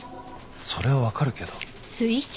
それは分かるけど